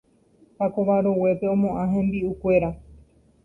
Pakova roguépe omoʼã hembiʼukuéra.